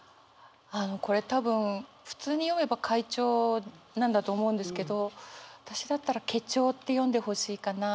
あのこれ多分普通に読めば「かいちょう」なんだと思うんですけど私だったら「けちょう」って読んでほしいかな。